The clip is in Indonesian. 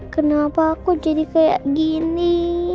kenapa aku jadi kayak gini